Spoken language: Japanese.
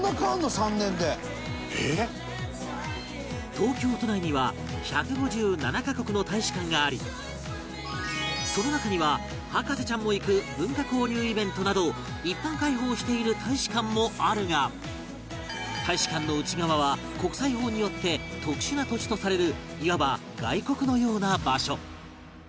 東京都内には１５７カ国の大使館がありその中には博士ちゃんも行く文化交流イベントなど一般開放している大使館もあるが大使館の内側は国際法によって特殊な土地とされるいわば外国のような場所